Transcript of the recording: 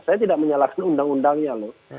saya tidak menyalahkan undang undangnya loh